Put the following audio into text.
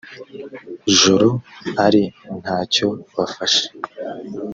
joro ari nta cyo bafashe